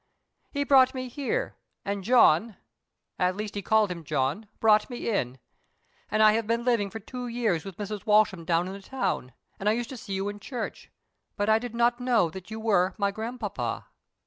He brought me here, and John—at least he called him John—brought me in. And I have been living for two years with Mrs. Walsham down in the town, and I used to see you in church, but I did not know that you were my grandpapa."